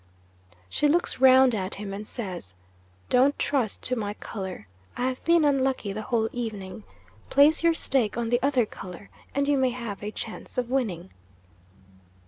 She looks round at him, and says, "Don't trust to my colour; I have been unlucky the whole evening. Place your stake on the other colour, and you may have a chance of winning."